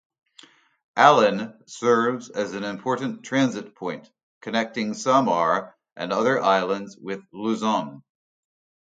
Allen serves as an important transit point, connecting Samar and other islands with Luzon.